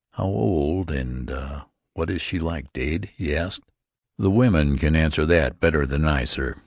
"How old and what is she like, Dade?" he asked. "The women can answer that better than I, sir.